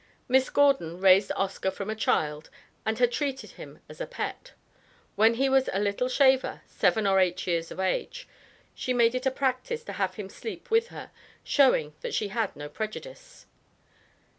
Miss Gordon raised Oscar from a child and had treated him as a pet. When he was a little "shaver" seven or eight years of age, she made it a practice to have him sleep with her, showing that she had no prejudice.